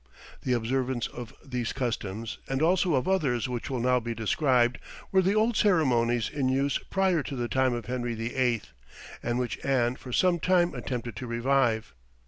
The observance of these customs, and also of others which will now be described, were the old ceremonies in use prior to the time of Henry VIII., and which Anne for some time attempted to revive.